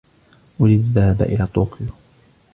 اريدُ الذهاب إلى طوكيو.